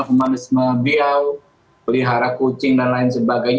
humanisme biau pelihara kucing dan lain sebagainya